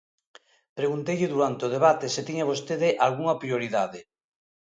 Pregunteille durante o debate se tiña vostede algunha prioridade.